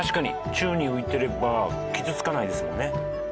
宙に浮いてれば傷つかないですもんね。